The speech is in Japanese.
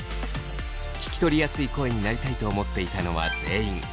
聞き取りやすい声になりたいと思っていたのは全員。